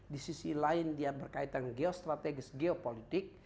di sisi lain dia berkaitan geostrategis geopolitik